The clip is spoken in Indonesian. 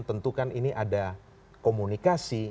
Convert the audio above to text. tentukan ini ada komunikasi